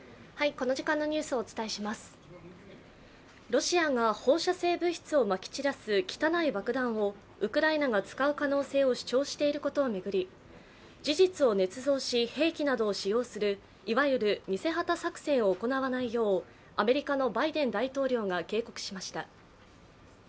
ロシアが放射性物質をまき散らす汚い爆弾をウクライナが使う可能性を主張していることを巡り、事実をねつ造し兵器などを使用するいわゆる偽旗作戦を行わないよう、アメリカのバイデン大統領が警告しました。